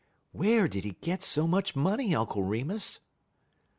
"Where did he get so much money, Uncle Remus?"